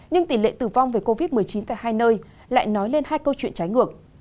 nhưng tỷ lệ tử vong về covid một mươi chín tại hai nơi lại nói lên hai câu chuyện trái ngược